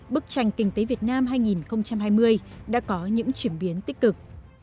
bức tranh kinh tế việt nam hai nghìn hai mươi đã có những chuyển biến tích cực